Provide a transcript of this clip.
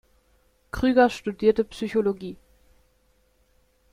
Krüger studierte Psychologie.